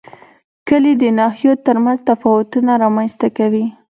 کلي د ناحیو ترمنځ تفاوتونه رامنځ ته کوي.